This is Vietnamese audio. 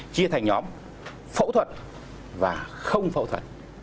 chia thành nhóm phẫu thuật và không phẫu thuật